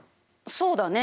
そうだね。